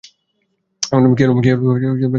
কী হল, চোখে ব্যাথা করছে নাকি?